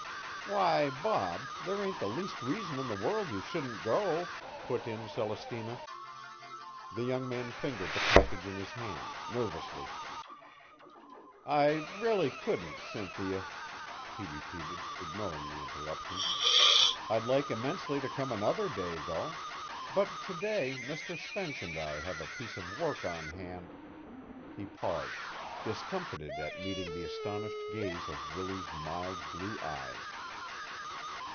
"Why, Bob, there ain't the least reason in the world you shouldn't go," put in Celestina. The young man fingered the package in his hand nervously. "I really couldn't, Cynthia," he repeated, ignoring the interruption. "I'd like immensely to come another day, though. But to day Mr. Spence and I have a piece of work on hand " He paused, discomfited at meeting the astonished gaze of Willie's mild blue eyes.